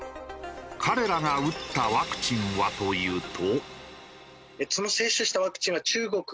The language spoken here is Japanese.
彼らが打ったワクチンはというと。